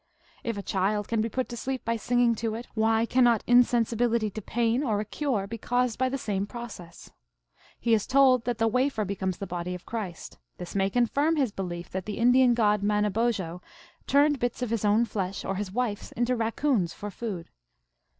If a child can be put to sleep by singing to it, why cannot insensibility to pain or a cure be caused by the same process ? He is told that the wafer becomes the body of Christ ; this may confirm his belief that the Indian god Manobozho turned bits of his own flesh or his wife s into raccoons, for food.